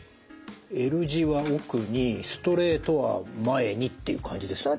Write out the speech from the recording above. Ｌ字は奥にストレートは前にっていう感じですか？